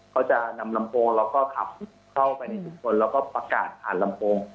เขาจะนำลำโพงแล้วก็ขับเข้าไปในชุมชนแล้วก็ประกาศผ่านลำโพง